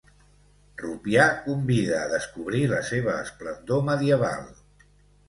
Rupià convida a descobrir la seva esplendor medieval.